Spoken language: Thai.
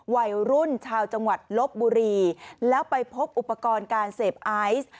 วัยรุ่นชาวจังหวัดลบบุรีแล้วไปพบอุปกรณ์การเสพไอซ์